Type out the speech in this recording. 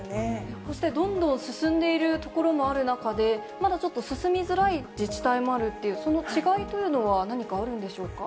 そしてどんどん進んでいる所もある中で、まだちょっと進みづらい自治体もあるっていう、その違いというのは何かあるんでしょうか。